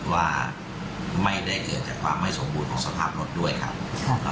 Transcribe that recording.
ว่าไม่ได้เกิดจากความไม่สมบูรณ์ของสภาพรถด้วยครับ